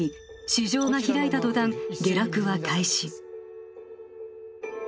市場が開いたとたん下落は開始